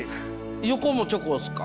横もチョコですか？